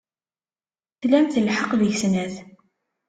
Tlamt lḥeqq deg snat.